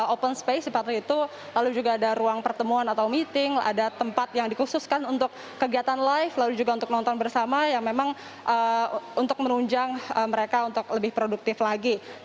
open space seperti itu lalu juga ada ruang pertemuan atau meeting ada tempat yang dikhususkan untuk kegiatan live lalu juga untuk nonton bersama yang memang untuk menunjang mereka untuk lebih produktif lagi